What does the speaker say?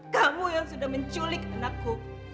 kamu yang sudah menculik anakku